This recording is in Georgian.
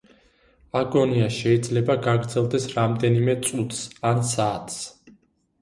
აგონია შეიძლება გაგრძელდეს რამდენიმე წუთს ან საათს.